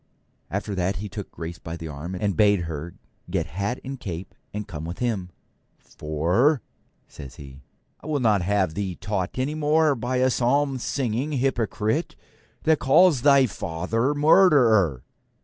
After that he took Grace by the arm, and bade her get hat and cape and come with him. 'For,' says he, 'I will not have thee taught any more by a psalm singing hypocrite that calls thy father murderer.'